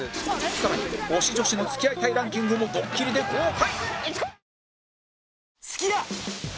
さらに推し女子の付き合いたいランキングもドッキリで公開！